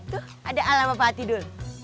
tuh ada ala alpati dul